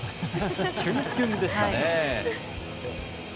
キュンキュンでしたね。